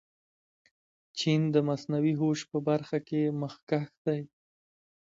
چین د مصنوعي هوش په برخه کې مخکښ دی.